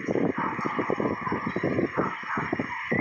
โอ้โหเป็นเกิดขึ้นกันก่อนค่ะ